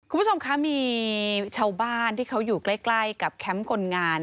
คุณผู้ชมคะมีชาวบ้านที่เขาอยู่ใกล้กับแคมป์คนงาน